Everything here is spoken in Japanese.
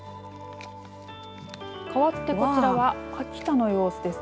かわって、こちらは秋田の様子です。